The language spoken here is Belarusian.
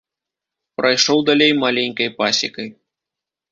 Прайшоў далей маленькай пасекай.